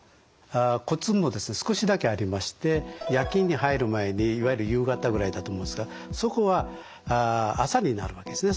コツもですね少しだけありまして夜勤に入る前にいわゆる夕方ぐらいだと思うんですがそこは朝になるわけですね